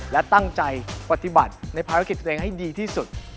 และตั้งใจปฏิบัติในภารกิจตัวเองให้ดีที่สุด